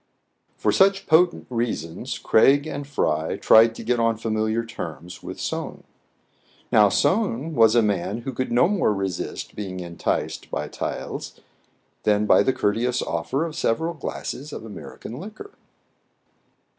For such potent reasons Craig and Fry tried to get on familiar terms with Soun. Now, Soun was a man who could no more resist being enticed by taels than by the courteous offer of several glasses of American liquor.